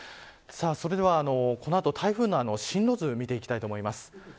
それでは台風の進路図を見ていきたいと思います。